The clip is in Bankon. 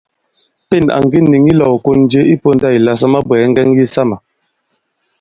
Pên à ŋge nìŋi ilɔ̄w ìkon je i pōndā ìla sa mabwɛ̀ɛ ŋgɛŋ yisamà.